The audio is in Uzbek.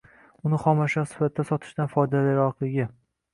uni xom ashyo sifatida sotishdan foydaliroqligi